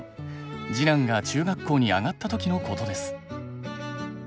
次男が中学校に上がった時のことです。